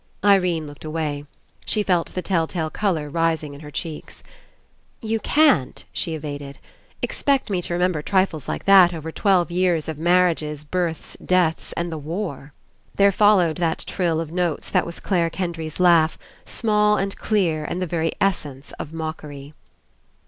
Irene looked away. She felt the tell tale colour rising in her cheeks. "You can't," she evaded, "expect me to remember trifles like that over twelve years of marriages, births, deaths, and the war." There followed that trill of notes that was Clare Kendry's laugh, small and clear and the very essence of mockery.